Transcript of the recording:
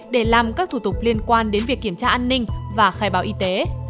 để làm các thủ tục liên quan đến việc kiểm tra an ninh và khai báo y tế